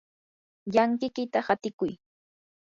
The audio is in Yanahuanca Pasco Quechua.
llankikiyta hatikuy.